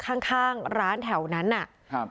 หลบซ่อนข้างร้านแถวนั้นน่ะ